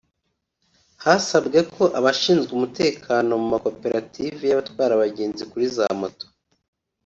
Hasabwe ko abashinzwe umutekano mu makoperative y’abatwara abagenzi kuri za moto